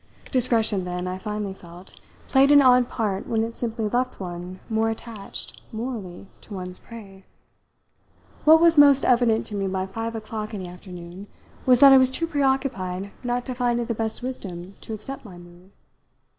Discretion, then, I finally felt, played an odd part when it simply left one more attached, morally, to one's prey. What was most evident to me by five o'clock in the afternoon was that I was too preoccupied not to find it the best wisdom to accept my mood.